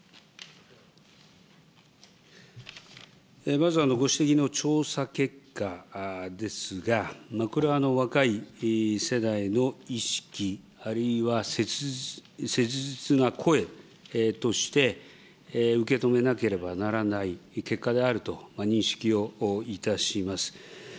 まずご指摘の調査結果ですが、これは若い世代の意識、あるいは切実な声として受け止めなければならない結果であると認識をいたします。